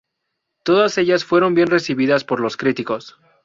Todas ellas fueron bien recibidas por los críticos.